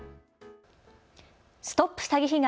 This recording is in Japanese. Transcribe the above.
ＳＴＯＰ詐欺被害！